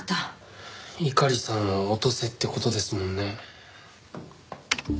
猪狩さんを落とせって事ですもんね。